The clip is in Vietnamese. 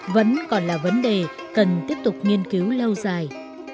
vẫn còn là vấn đề cần tiếp tục nghiên cứu lâu dài